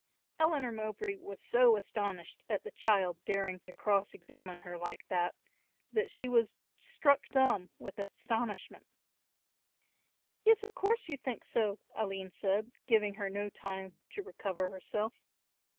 Eleanor Mowbray was so astonished at the child daring to cross examine her like that, that she was struck dumb with astonishment. "Yes, of course you think so," Aline said, giving her no time to recover herself.